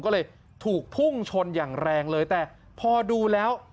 ก็เลยถูกพุ่งชนอย่างแรงเลยแต่พอดูแล้ว